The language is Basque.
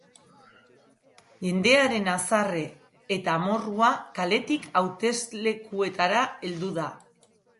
Jendearen haserre eta amorrua kaletik hauteslekuetara heldu da.